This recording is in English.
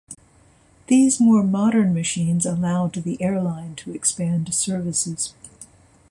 These more modern machines allowed the airline to expand services.